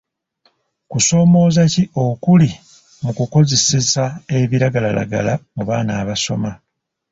Kusoomooza ki okuli mu kukozeseza ebiragalalagala mu baana abasoma?